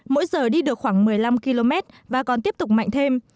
mỗi giờ đi được khoảng một mươi năm km và còn tiếp tục mạnh thêm